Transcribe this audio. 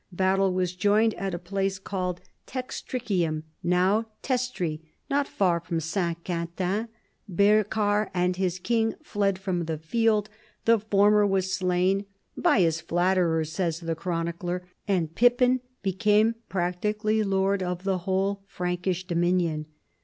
Battle was joined at a place called Textri 44 CHARLEMAGNE. cium, now Testri, not I'ar from St. Quentin. Ber char and his king fled from the field. The former was slain (" by bis flatterers," says the chronicler), and Pippin became practically lord of the whole Frankish dominion.